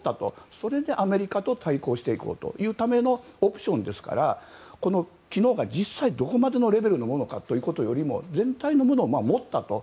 それでアメリカと対抗していこうというためのオプションですから機能が実際どこまでのレベルのものかというものよりも全体のものを持ったと。